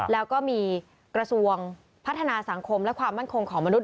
แล้วก็มีกระทรวงพัฒนาสังคมและความมั่นคงของมนุษ